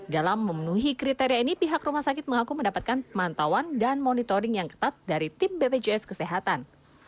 dalam memenuhi kriteria ini pihak rumah sakit mengaku mendapatkan pemantauan dan monitoring yang ketat dari tim bpjs kesehatan